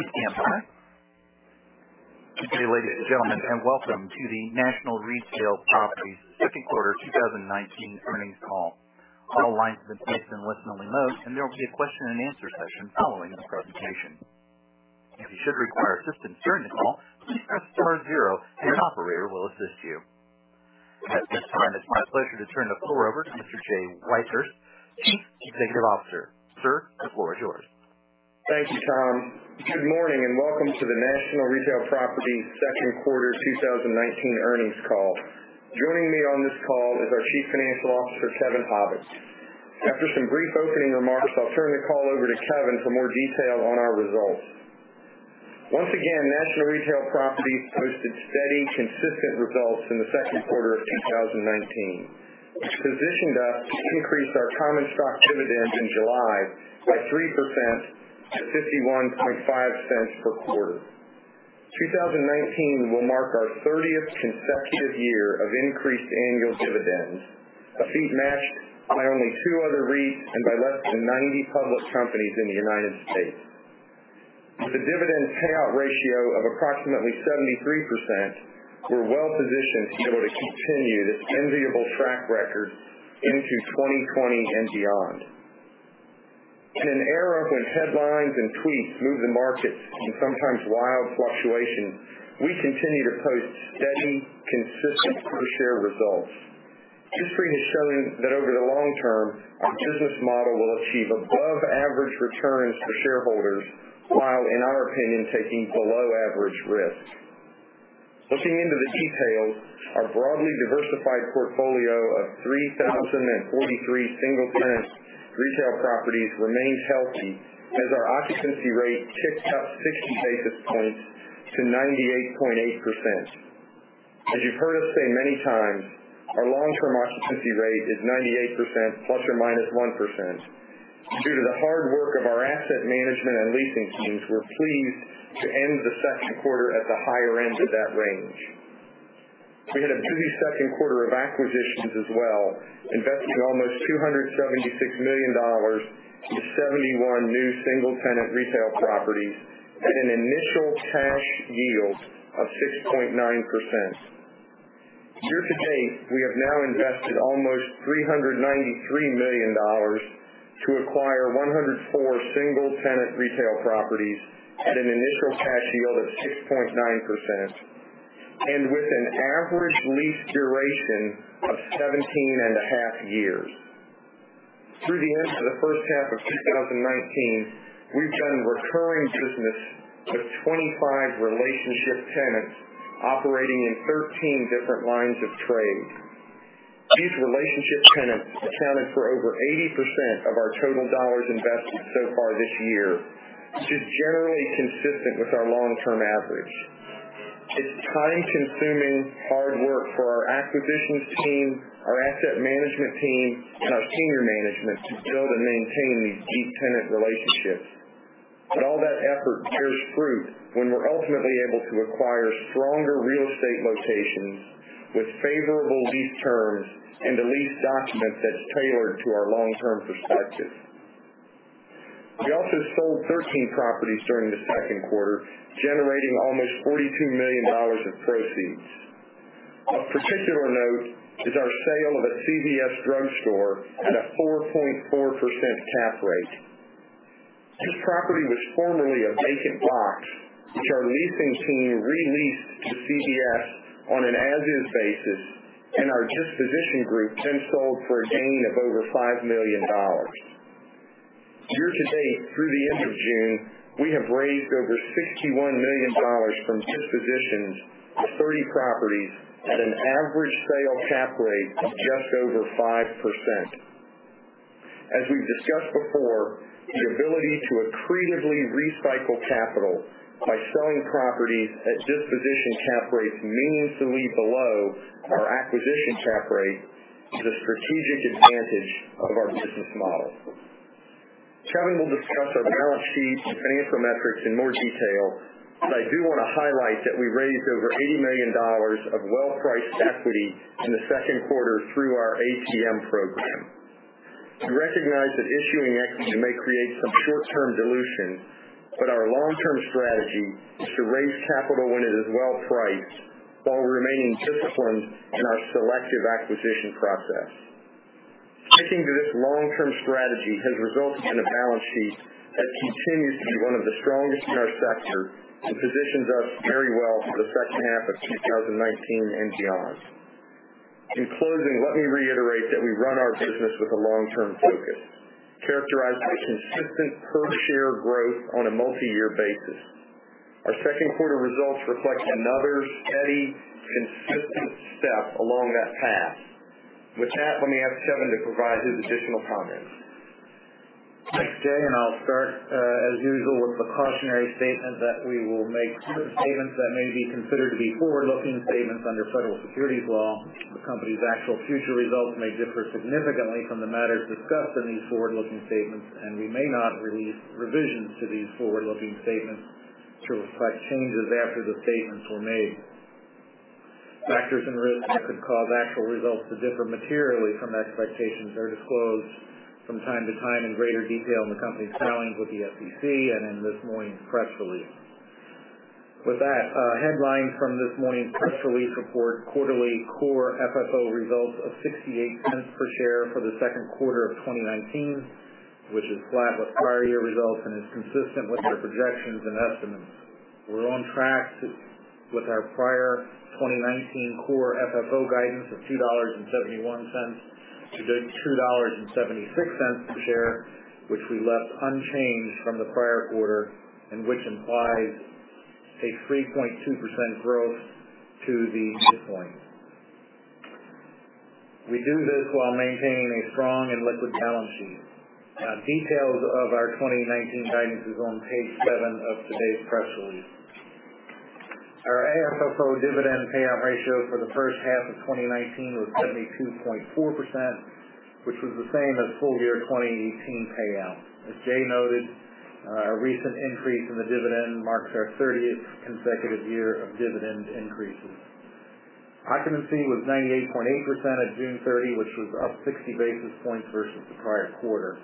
Good day, ladies and gentlemen, and welcome to the National Retail Properties second quarter 2019 earnings call. All lines have been placed in listen-only mode and there will be a question and answer session following this presentation. If you should require assistance during the call, please press star zero and an operator will assist you. At this time, it's my pleasure to turn the floor over to Mr. Jay Whitehurst, Chief Executive Officer. Sir, the floor is yours. Thank you, Tom. Good morning and welcome to the National Retail Properties second quarter 2019 earnings call. Joining me on this call is our Chief Financial Officer, Kevin Habicht. After some brief opening remarks, I'll turn the call over to Kevin for more detail on our results. Once again, National Retail Properties posted steady, consistent results in the second quarter of 2019, which positioned us to increase our common stock dividend in July by 3% to $0.515 per quarter. 2019 will mark our 30th consecutive year of increased annual dividends, a feat matched by only two other REITs and by less than 90 public companies in the United States. With a dividend payout ratio of approximately 73%, we're well-positioned to be able to continue this enviable track record into 2020 and beyond. In an era when headlines and tweets move the market in sometimes wild fluctuations, we continue to post steady, consistent per-share results. This trend has shown that over the long term, our business model will achieve above-average returns for shareholders, while, in our opinion, taking below-average risk. Looking into the details, our broadly diversified portfolio of 3,043 single-tenant retail properties remains healthy as our occupancy rate ticked up 60 basis points to 98.8%. As you've heard us say many times, our long-term occupancy rate is 98%, plus or minus 1%. Due to the hard work of our asset management and leasing teams, we're pleased to end the second quarter at the higher end of that range. We had a busy second quarter of acquisitions as well, investing almost $276 million into 71 new single-tenant retail properties at an initial cash yield of 6.9%. Year-to-date, we have now invested almost $393 million to acquire 104 single-tenant retail properties at an initial cash yield of 6.9%, and with an average lease duration of 17 and a half years. Through the end of the first half of 2019, we've done recurring business with 25 relationship tenants operating in 13 different lines of trade. These relationship tenants accounted for over 80% of our total dollars invested so far this year, which is generally consistent with our long-term average. It's time-consuming, hard work for our acquisitions team, our asset management team, and our senior management to build and maintain these deep tenant relationships. All that effort bears fruit when we're ultimately able to acquire stronger real estate locations with favorable lease terms and a lease document that's tailored to our long-term perspective. We also sold 13 properties during the second quarter, generating almost $42 million of proceeds. Of particular note is our sale of a CVS drugstore at a 4.4% cap rate. This property was formerly a vacant box, which our leasing team re-leased to CVS on an as-is basis, and our disposition group then sold for a gain of over $5 million. Year-to-date through the end of June, we have raised over $61 million from dispositions of 30 properties at an average sale cap rate of just over 5%. As we've discussed before, the ability to accretively recycle capital by selling properties at disposition cap rates meaningfully below our acquisition cap rate is a strategic advantage of our business model. Kevin will discuss our balance sheet and financial metrics in more detail, but I do want to highlight that we raised over $80 million of well-priced equity in the second quarter through our ATM program. We recognize that issuing equity may create some short-term dilution, but our long-term strategy is to raise capital when it is well-priced while remaining disciplined in our selective acquisition process. Sticking to this long-term strategy has resulted in a balance sheet that continues to be one of the strongest in our sector and positions us very well for the second half of 2019 and beyond. In closing, let me reiterate that we run our business with a long-term focus, characterized by consistent per-share growth on a multi-year basis. Our second quarter results reflect another steady, consistent step along that path. With that, let me ask Kevin to provide his additional comments. Thanks, Jay, and I'll start, as usual, with the cautionary statement that we will make certain statements that may be considered to be forward-looking statements under federal securities law. The company's actual future results may differ significantly from the matters discussed in these forward-looking statements, and we may not release revisions to these forward-looking statements to reflect changes after the statements were made. Factors and risks that could cause actual results to differ materially from expectations are disclosed from time to time in greater detail in the company's filings with the SEC and in this morning's press release. With that, headlines from this morning's press release report quarterly Core FFO results of $0.68 per share for the second quarter of 2019, which is flat with prior year results and is consistent with our projections and estimates. We're on track with our prior 2019 Core FFO guidance of $2.71-$2.76 per share, which we left unchanged from the prior quarter, and which implies a 3.2% growth to the midpoint. We do this while maintaining a strong and liquid balance sheet. Details of our 2019 guidance is on page seven of today's press release. Our AFFO dividend payout ratio for the first half of 2019 was 72.4%, which was the same as full year 2018 payout. As Jay noted, our recent increase in the dividend marks our 30th consecutive year of dividend increases. Occupancy was 98.8% at June 30, which was up 60 basis points versus the prior quarter.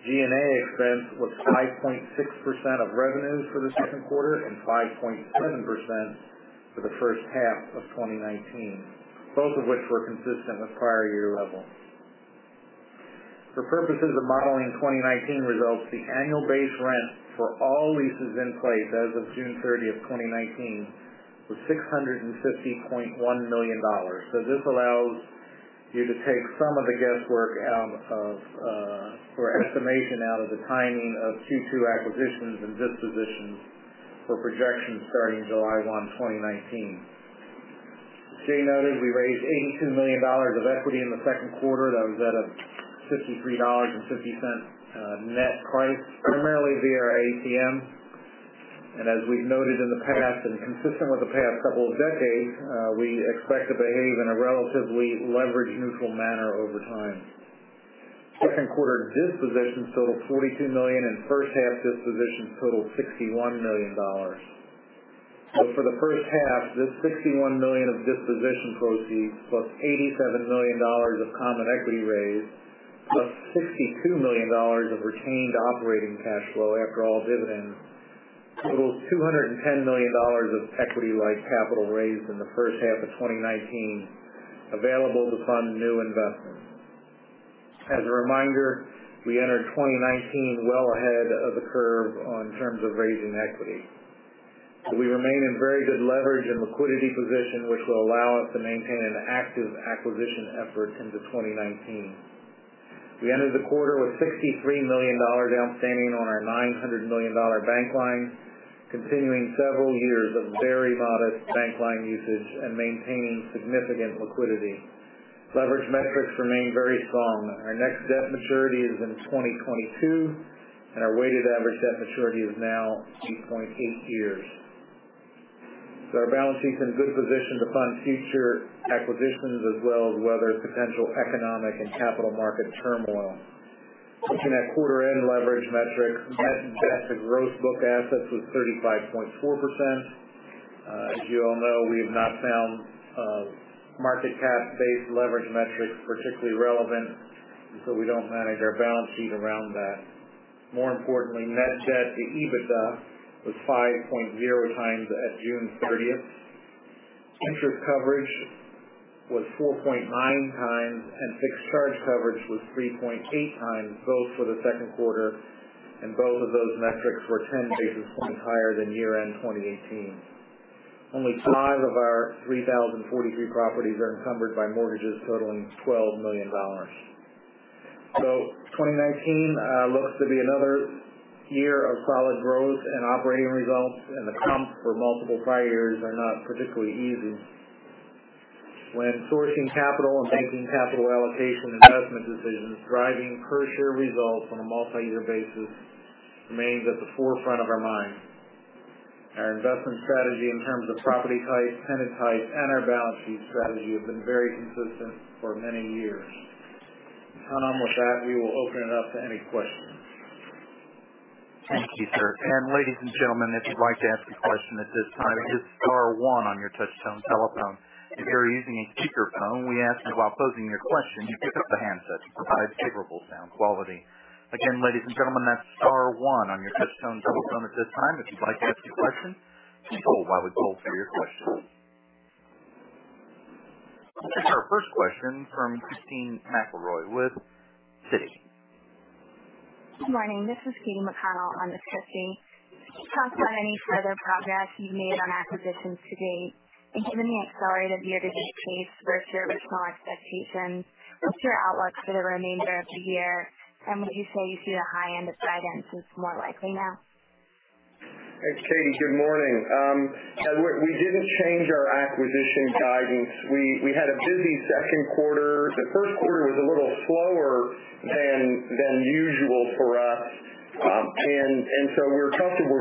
G&A expense was 5.6% of revenues for the second quarter and 5.7% for the first half of 2019, both of which were consistent with prior year levels. For purposes of modeling 2019 results, the annual base rent for all leases in place as of June 30th, 2019, was $650.1 million. This allows you to take some of the guesswork out of for estimation out of the timing of Q2 acquisitions and dispositions for projections starting July 1, 2019. Jay noted we raised $82 million of equity in the second quarter. That was at a $53.50 net price, primarily via our ATM. As we've noted in the past and consistent with the past couple of decades, we expect to behave in a relatively leverage-neutral manner over time. Second quarter dispositions total $42 million and first half dispositions totaled $61 million. For the first half, this $61 million of disposition proceeds, plus $87 million of common equity raised, plus $62 million of retained operating cash flow after all dividends, totals $210 million of equity-like capital raised in the first half of 2019, available to fund new investment. As a reminder, we entered 2019 well ahead of the curve in terms of raising equity. We remain in very good leverage and liquidity position, which will allow us to maintain an active acquisition effort into 2019. We ended the quarter with $63 million outstanding on our $900 million bank line, continuing several years of very modest bank line usage and maintaining significant liquidity. Leverage metrics remain very strong. Our next debt maturity is in 2022, and our weighted average debt maturity is now 2.8 years. Our balance sheet's in good position to fund future acquisitions as well as weather potential economic and capital market turmoil. Looking at quarter-end leverage metrics, net debt to gross book assets was 35.4%. As you all know, we have not found market cap-based leverage metrics particularly relevant, and so we don't manage our balance sheet around that. More importantly, net debt to EBITDA was 5.0 times at June 30th. Interest coverage was 4.9 times, and fixed charge coverage was 3.8 times, both for the second quarter, and both of those metrics were 10 basis points higher than year-end 2018. Only five of our 3,043 properties are encumbered by mortgages totaling $12 million. 2019 looks to be another year of solid growth and operating results, and the comps for multiple prior years are not particularly easy. When sourcing capital and making capital allocation and investment decisions, driving per-share results on a multi-year basis remains at the forefront of our minds. Our investment strategy in terms of property types, tenant types, and our balance sheet strategy have been very consistent for many years. Tom, with that, we will open it up to any questions. Thank you, sir. Ladies and gentlemen, if you'd like to ask a question at this time, it is star one on your touch-tone telephone. If you're using a speakerphone, we ask you, while posing your question, you pick up the handset to provide favorable sound quality. Again, ladies and gentlemen, that's star one on your touch-tone telephone at this time, if you'd like to ask a question. Please hold while we poll for your questions. Our first question from Katy McConnell with Citi. Good morning. This is Katy McConnell on the Citi. Can you talk about any further progress you've made on acquisitions to date? Given the accelerated year-to-date pace versus your original expectations, what's your outlook for the remainder of the year? Would you say you see the high end of guidance is more likely now? Thanks, Katy. Good morning. We didn't change our acquisition guidance. We had a busy second quarter. The first quarter was a little slower than usual for us. We're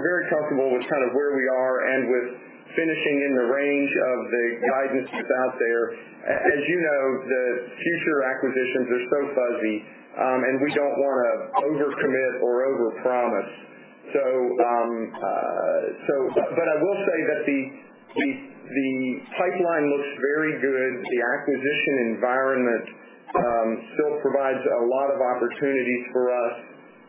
very comfortable with where we are and with finishing in the range of the guidance that's out there. As you know, the future acquisitions are so fuzzy, and we don't want to overcommit or overpromise. I will say that the pipeline looks very good. The acquisition environment still provides a lot of opportunities for us.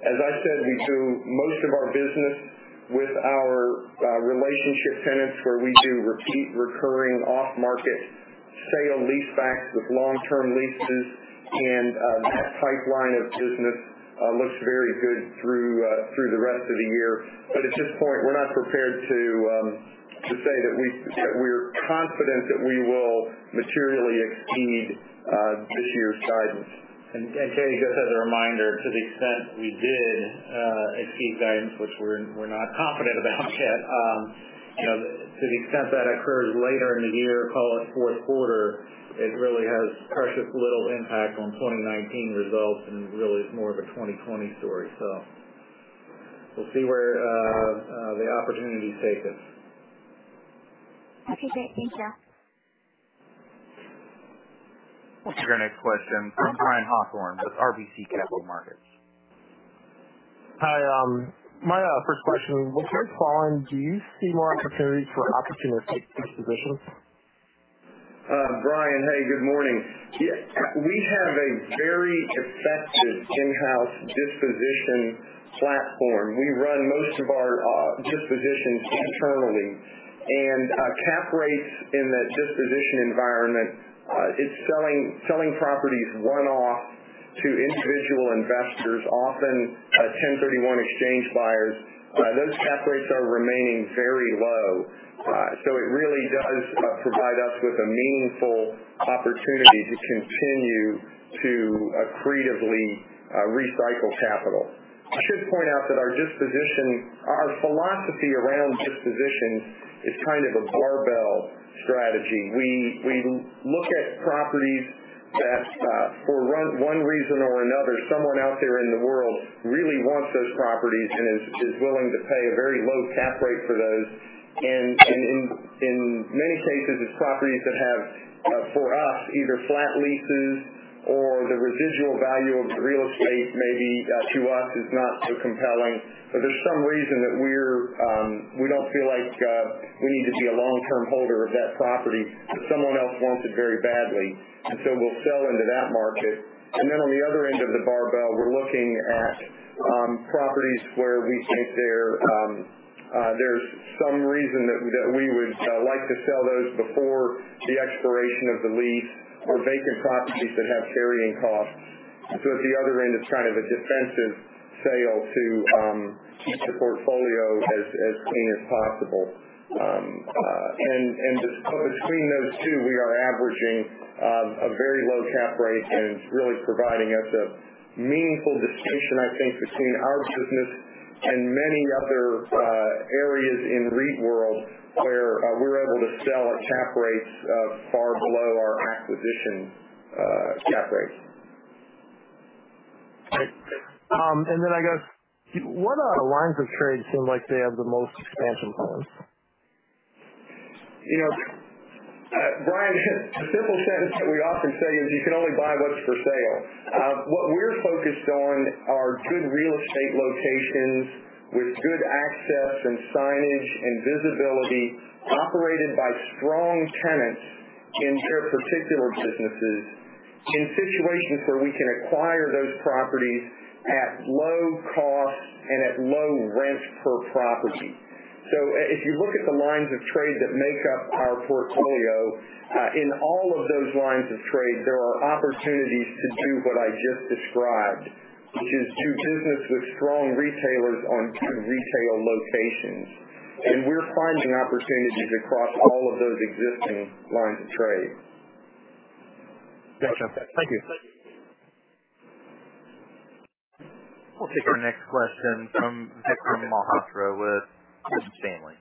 As I said, we do most of our business with our relationship tenants, where we do repeat, recurring off-market sale-leasebacks with long-term leases. That pipeline of business looks very good through the rest of the year. At this point, we're not prepared to say that we're confident that we will materially exceed this year's guidance. Katy, just as a reminder, to the extent we did exceed guidance, which we're not confident about yet, to the extent that occurs later in the year, call it fourth quarter, it really has precious little impact on 2019 results and really is more of a 2020 story. We'll see where the opportunities take us. Okay, great. Thank you. We'll take our next question from Brian Hawthorne with RBC Capital Markets. Hi. My first question, with rates falling, do you see more opportunities for opportunistic dispositions? Brian, hey, good morning. We have a very effective in-house disposition platform. We run most of our dispositions internally. Cap rates in the disposition environment, it's selling properties one-off to individual investors, often 1031 exchange buyers. Those cap rates are remaining very low. It really does provide us with a meaningful opportunity to continue to accretively recycle capital. I should point out that our philosophy around disposition is kind of a barbell strategy. We look at properties that, for one reason or another, someone out there in the world really wants those properties and is willing to pay a very low cap rate for those. In many cases, it's properties that have, for us, either flat leases or the residual value of the real estate maybe to us is not so compelling. There's some reason that we don't feel like we need to be a long-term holder of that property, but someone else wants it very badly. We'll sell into that market. Then on the other end of the barbell, we're looking at properties where we think there's some reason that we would like to sell those before the expiration of the lease or vacant properties that have carrying costs. At the other end, it's kind of a defensive sale to keep the portfolio as clean as possible. Between those two, we are averaging a very low cap rate, and it's really providing us a meaningful distinction, I think, between our business and many other areas in REIT world where we're able to sell at cap rates far below our acquisition cap rates. Great. I guess, what lines of trade seem like they have the most expansion plans? Brian, the simple sentence that we often say is you can only buy what's for sale. What we're focused on are good real estate locations with good access and signage and visibility, operated by strong tenants in their particular businesses, in situations where we can acquire those properties at low cost and at low rent per property. If you look at the lines of trade that make up our portfolio, in all of those lines of trade, there are opportunities to do what I just described, which is do business with strong retailers on good retail locations. We're finding opportunities across all of those existing lines of trade. Gotcha. Thank you. We'll take our next question from Vikram Malhotra with Raymond James.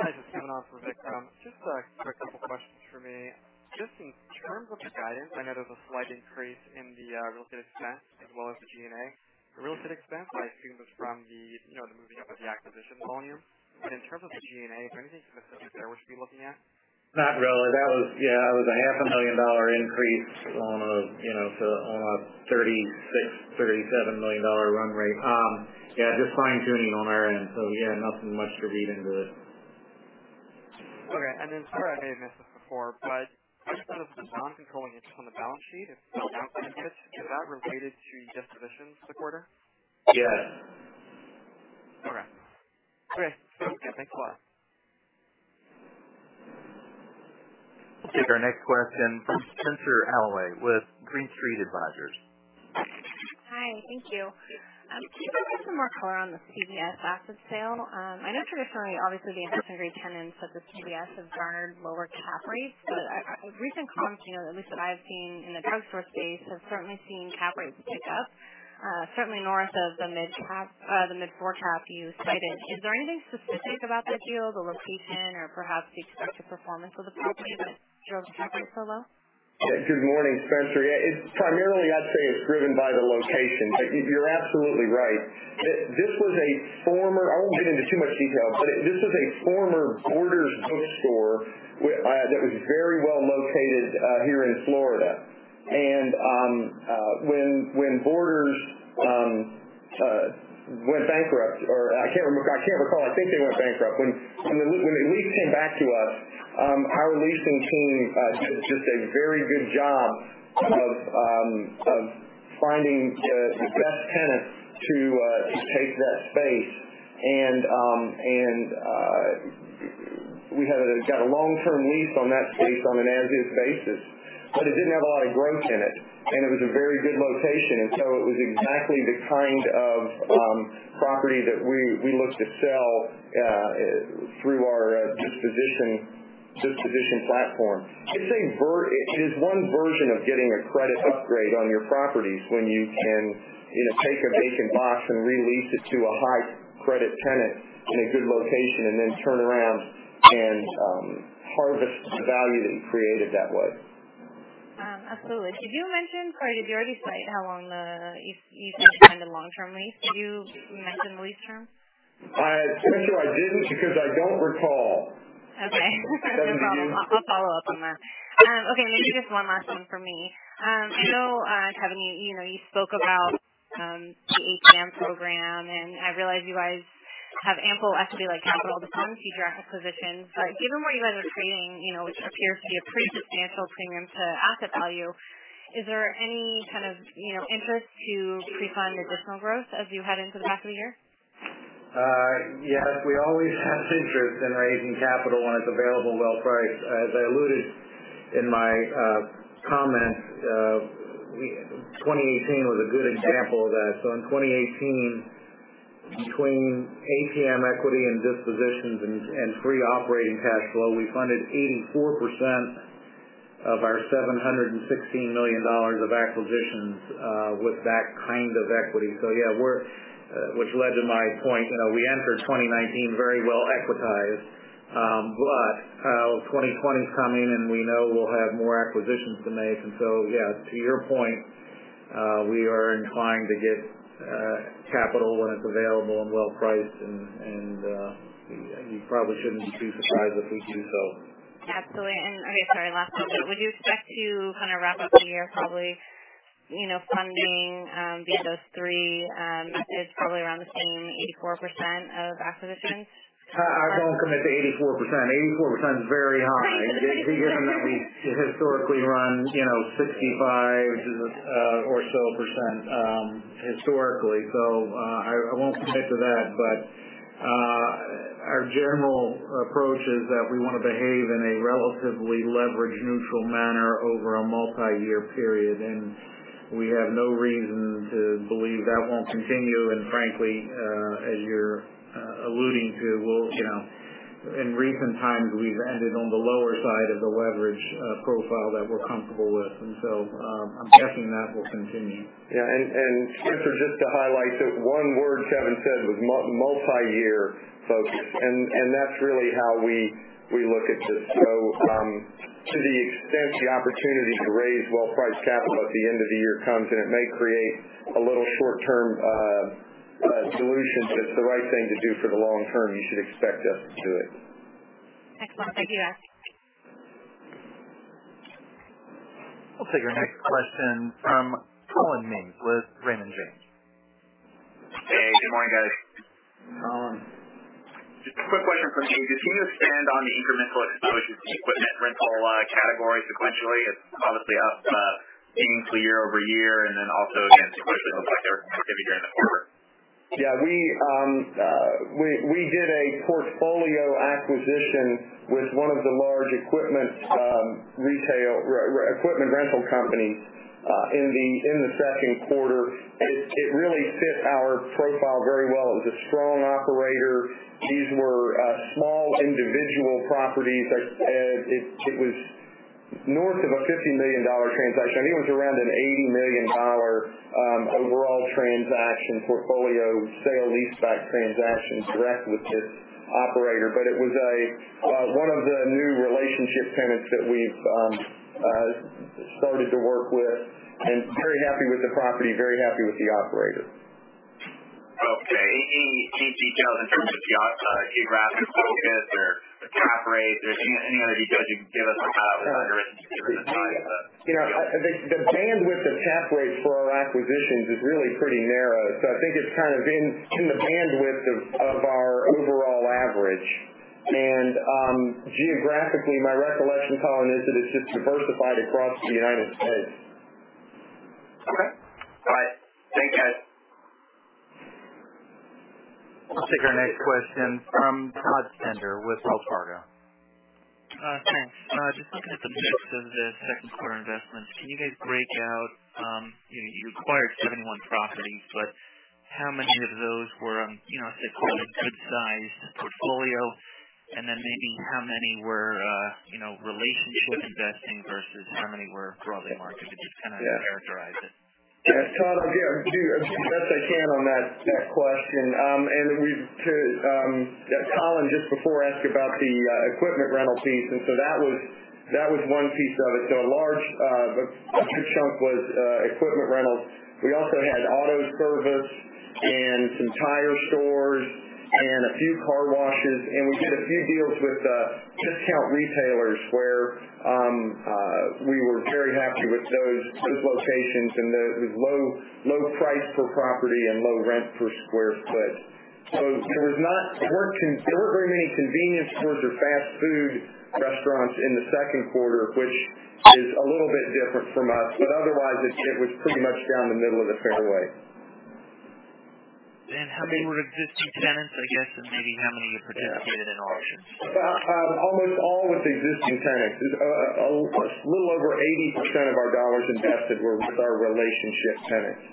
Hi, this is Kevin Alagh for Vikram. Just a quick couple questions for me. Just in terms of the guidance, I know there's a slight increase in the real estate expense as well as the G&A. The real estate expense, I assume, is from the moving up of the acquisition volume. In terms of the G&A, is there anything specifically there we should be looking at? Not really. That was a $500,000 increase on a $36 million-$37 million run rate. Yeah, just fine-tuning on our end. Yeah, nothing much to read into it. Okay. Sorry if I may have missed this before, but just because of the non-controlling interest on the balance sheet, if the balance increased, is that related to dispositions this quarter? Yes. Okay. Great. Thanks a lot. Take our next question from Spenser Allor with Green Street Advisors. Hi, thank you. Can you provide some more color on the CVS asset sale? I know traditionally, obviously the investment-grade tenants such as CVS have garnered lower cap rates, but recent comps, at least that I've seen in the drugstore space, have certainly seen cap rates pick up, certainly north of the mid four cap you cited. Is there anything specific about this deal, the location, or perhaps the expected performance of the property that drove the cap rate so low? Good morning, Spenser. Yeah, primarily I'd say it's driven by the location. But you're absolutely right. I won't get into too much detail, but this was a former Borders bookstore that was very well located here in Florida. When Borders went bankrupt. I can't recall. I think they went bankrupt. When the lease came back to us, our leasing team did just a very good job of finding the best tenant to take that space. We got a long-term lease on that space on an as-is basis. It didn't have a lot of growth in it, and it was a very good location. It was exactly the kind of property that we look to sell through our disposition platform. It is one version of getting a credit upgrade on your properties when you can take a vacant box and re-lease it to a high-credit tenant in a good location, and then turn around and harvest the value that you created that way. Absolutely. Did you already cite how long you think you can find a long-term lease? Did you mention the lease term? Spenser, I didn't because I don't recall. Okay. No problem. I'll follow up on that. Okay, maybe just one last one from me. I know, Kevin, you spoke about the ATM program, and I realize you guys have ample equity-like capital to fund future acquisitions. Given where you guys are trading, which appears to be a pretty substantial premium to asset value, is there any kind of interest to pre-fund additional growth as you head into the back of the year? Yes. We always have interest in raising capital when it's available well-priced. As I alluded in my comments, 2018 was a good example of that. In 2018, between ATM equity and dispositions and free operating cash flow, we funded 84% of our $716 million of acquisitions with that kind of equity. Which led to my point, we entered 2019 very well-equitized. 2020's coming, and we know we'll have more acquisitions to make. Yeah, to your point, we are inclined to get capital when it's available and well-priced, and you probably shouldn't be too surprised if we do so. Absolutely. Okay, sorry, last one. Would you expect to wrap up the year, probably funding via those three is probably around the same 84% of acquisitions? I won't commit to 84%. 84% is very high, given that we historically run 65% or so historically. I won't commit to that. Our general approach is that we want to behave in a relatively leverage-neutral manner over a multi-year period, and we have no reason to believe that won't continue. Frankly, as you're alluding to, in recent times, we've ended on the lower side of the leverage profile that we're comfortable with. I'm guessing that will continue. Yeah. Spenser, just to highlight that one word Kevin said was multi-year focus, and that's really how we look at this. To the extent the opportunity to raise well-priced capital at the end of the year comes, and it may create a little short-term dilution, but if it's the right thing to do for the long term, you should expect us to do it. Excellent. Thank you, guys. We'll take our next question from Collin Mings with Raymond James. Hey, good morning, guys. Collin. Just a quick question from me. Can you expand on the incremental exposure to the equipment rental category sequentially? It's obviously up meaningfully year-over-year, and then also against your cushion, it looks like they're going to be growing it forward. Yeah, we did a portfolio acquisition with one of the large equipment rental companies in the second quarter. It really fit our profile very well. It was a strong operator. These were small individual properties. It was north of a $50 million transaction. I think it was around an $80 million overall transaction portfolio, sale-leaseback transaction direct with this operator. It was one of the new relationship tenants that we've started to work with, and very happy with the property, very happy with the operator. Okay. Any key details in terms of the upside? GAAP improvements or the cap rates? Any other details you can give us about the risk return side? The bandwidth of cap rates for our acquisitions is really pretty narrow, so I think it's in the bandwidth of our overall average. Geographically, my recollection, Collin, is that it's just diversified across the United States. Okay. All right. Thank you, guys. I'll take our next question from Todd Stender with Wells Fargo. Thanks. Just looking at the mix of the second quarter investments. Can you guys break out you acquired 71 properties, but how many of those were, let's say, call it good-sized portfolio? Maybe how many were relationship investing versus how many were broadly market? Just kind of characterize it. Yeah, Todd, I'll do the best I can on that question. Collin, just before, asked about the equipment rental piece, and so that was one piece of it. A large chunk was equipment rentals. We also had auto service and some tire stores. A few car washes. We did a few deals with discount retailers where we were very happy with those locations and the low price per property and low rent per square foot. There weren't very many convenience stores or fast food restaurants in the second quarter, which is a little bit different from us, but otherwise it was pretty much down the middle of the fairway. How many were existing tenants, I guess, and maybe how many you participated in auctions? Almost all with existing tenants. A little over 80% of our dollars invested were with our relationship tenants.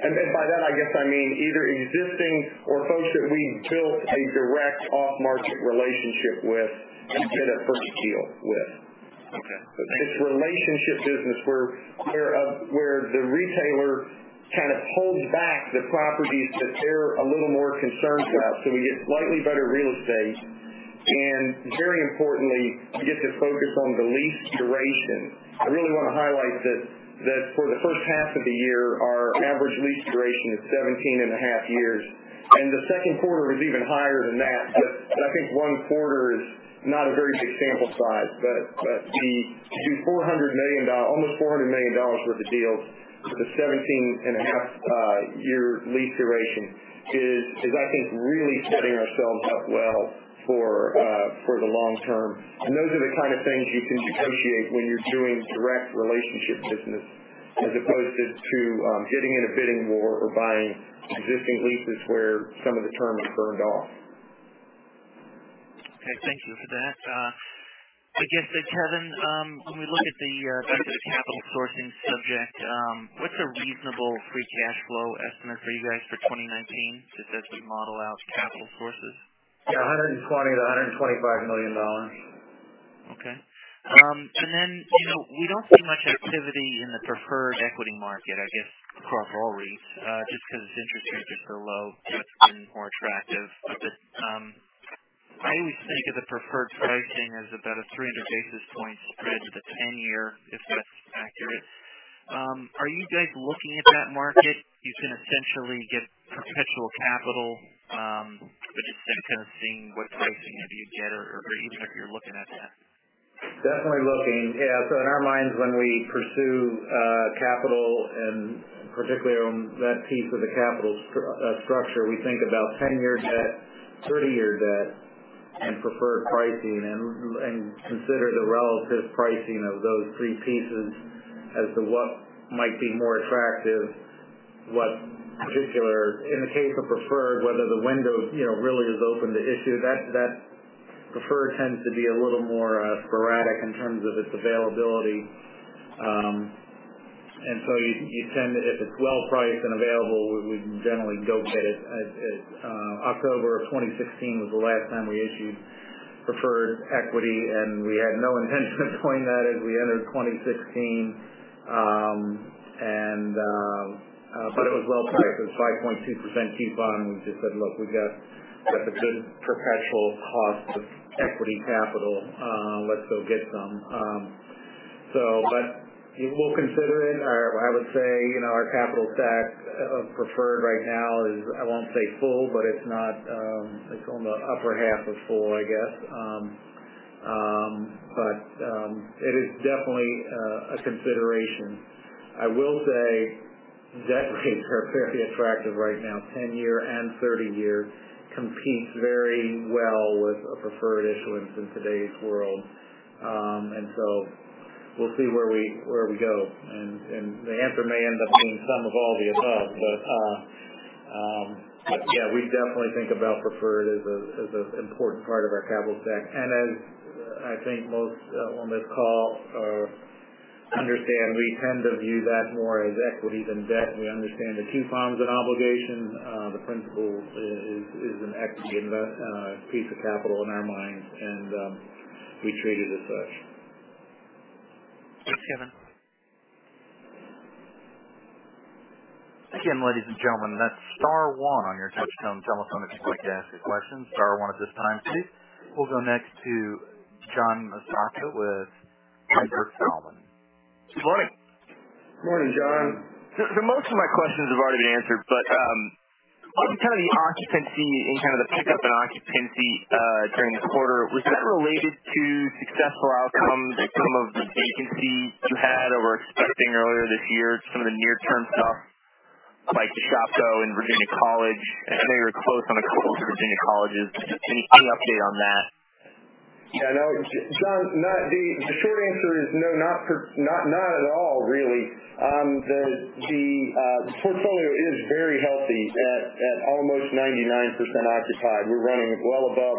By that, I guess I mean either existing or folks that we built a direct off-market relationship with and did a first deal with. Okay. It's relationship business where the retailer kind of holds back the properties that they're a little more concerned about, so we get slightly better real estate. Very importantly, we get to focus on the lease duration. I really want to highlight that for the first half of the year, our average lease duration is 17 and a half years, and the second quarter was even higher than that. I think one quarter is not a very big sample size. To do almost $400 million worth of deals with a 17-and-a-half year lease duration is, I think, really setting ourselves up well for the long term. Those are the kind of things you can negotiate when you're doing direct relationship business as opposed to getting in a bidding war or buying existing leases where some of the term is burned off. Okay, thank you for that. I guess then, Kevin, when we look at the back of the capital sourcing subject, what's a reasonable free cash flow estimate for you guys for 2019, just as we model out capital sources? Yeah, $120 million-$125 million. Okay. We don't see much activity in the preferred equity market, I guess, across all REITs, just because interest rates are low, debt's been more attractive. I always think of the preferred pricing as about a 300 basis point spread to the 10-year, if that's accurate. Are you guys looking at that market? You can essentially get perpetual capital. It's then kind of seeing what pricing have you get or even if you're looking at that. Definitely looking. Yeah. In our minds, when we pursue capital, and particularly on that piece of the capital structure, we think about 10-year debt, 30-year debt, and preferred pricing, and consider the relative pricing of those three pieces as to what might be more attractive. In the case of preferred, whether the window really is open to issue. Preferred tends to be a little more sporadic in terms of its availability. You tend, if it's well-priced and available, we generally go get it. October of 2016 was the last time we issued preferred equity, and we had no intention of doing that as we entered 2016. It was well priced. It was 5.2% coupon. We just said, "Look, we got the good perpetual cost of equity capital. Let's go get some." We will consider it. I would say our capital stack of preferred right now is, I won't say full, but it's on the upper half of full, I guess. It is definitely a consideration. I will say debt rates are fairly attractive right now. Ten-year and 30-year competes very well with a preferred issuance in today's world. We'll see where we go. The answer may end up being some of all the above. Yeah, we definitely think about preferred as an important part of our capital stack. As I think most on this call understand, we tend to view that more as equity than debt. We understand the coupon's an obligation. The principal is an equity piece of capital in our minds, and we treat it as such. Thanks, Kevin. Again, ladies and gentlemen, that's star one on your touchtone telephone if you'd like to ask a question, star one at this time, please. We'll go next to John Massocca with Piper Sandler. Good morning. Morning, John. Most of my questions have already been answered. On kind of the occupancy and kind of the pickup in occupancy during the quarter, was that related to successful outcomes of some of the vacancies you had or were expecting earlier this year, some of the near-term stuff like the Shopko in Virginia College? I know you were close on a couple of Virginia Colleges. Any update on that? Yeah, John, the short answer is no, not at all, really. The portfolio is very healthy at almost 99% occupied. We're running well above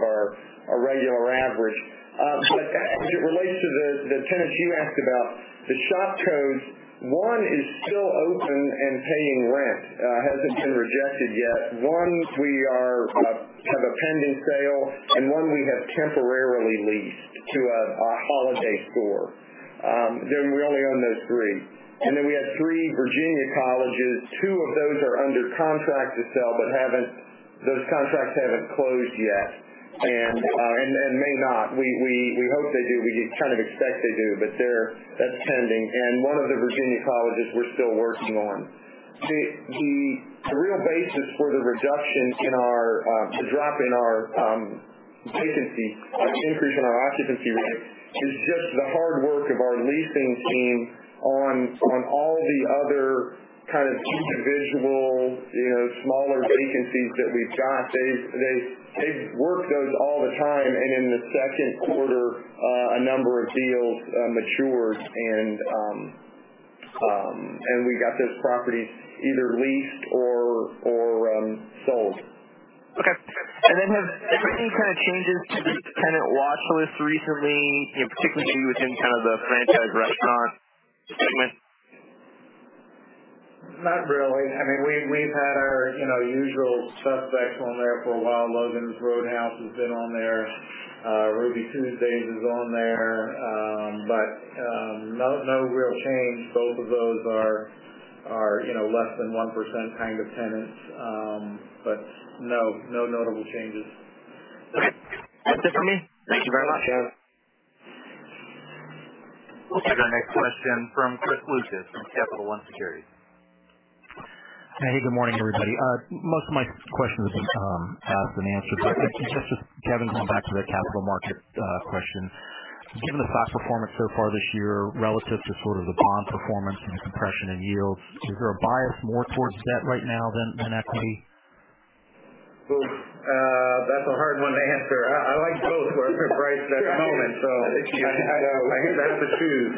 our regular average. As it relates to the tenants you asked about, the Shopkos, one is still open and paying rent, hasn't been rejected yet. One, we have a pending sale, and one we have temporarily leased to a holiday store. We only own those three. We have three Virginia Colleges. Two of those are under contract to sell, those contracts haven't closed yet, may not. We hope they do, we kind of expect they do, that's pending. One of the Virginia Colleges we're still working on. The real basis for the drop in our vacancy, increase in our occupancy rate, is just the hard work of our leasing team on all the other kind of individual, smaller vacancies that we've got. They work those all the time, in the second quarter, a number of deals matured, we got those properties either leased or sold. Okay. Have there been any kind of changes to the tenant watch list recently, particularly within kind of the franchise restaurant segment? Not really. We've had our usual suspects on there for a while. Logan's Roadhouse has been on there. Ruby Tuesday is on there. No real change. Both of those are less than 1% kind of tenants. No notable changes. Okay. That's it for me. Thank you very much. Yeah. We'll take our next question from Chris Lucas from Capital One Securities. Hey, good morning, everybody. Most of my questions have been asked and answered, but I guess just, Kevin, going back to the capital market question. Given the stock performance so far this year relative to sort of the bond performance and the compression in yields, is there a bias more towards debt right now than equity? That's a hard one to answer. I like both where they're priced at the moment, so I hate to have to choose.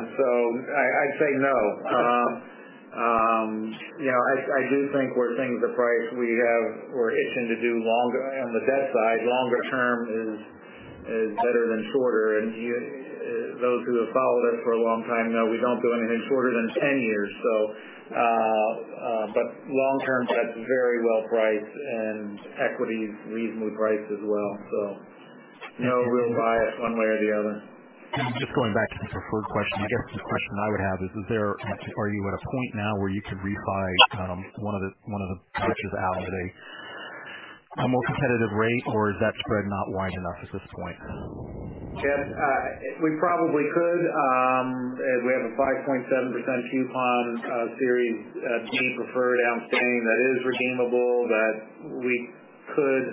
I'd say no. I do think where things are priced, we're itching to do longer On the debt side, longer term is better than shorter. Those who have followed us for a long time know we don't do anything shorter than 10 years. Long-term debt's very well priced, and equity's reasonably priced as well, so no real bias one way or the other. Just going back to the preferred question. I guess the question I would have is, are you at a point now where you could refi one of the tranches, Alan, at a more competitive rate, or is that spread not wide enough at this point? We probably could. We have a 5.7% coupon Series D preferred outstanding that is redeemable that we could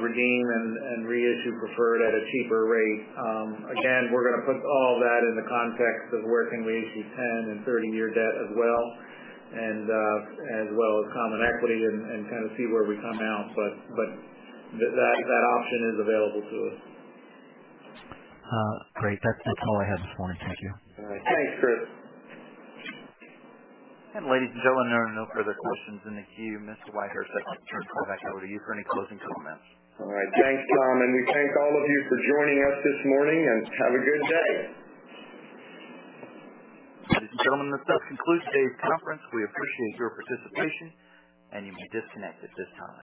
redeem and reissue preferred at a cheaper rate. Again, we're going to put all that in the context of where can we issue 10- and 30-year debt as well, and as well as common equity, and kind of see where we come out. That option is available to us. Great. That's all I had this morning. Thank you. All right. Thanks, Chris. Ladies and gentlemen, there are no further questions in the queue. Mr. Whitehurst, I'd like to turn it back over to you for any closing comments. All right. Thanks, Tom, and we thank all of you for joining us this morning, and have a good day. Ladies and gentlemen, this does conclude today's conference. We appreciate your participation, and you may disconnect at this time.